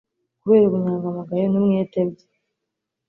kubera ubunyangamugayo n'umwete bye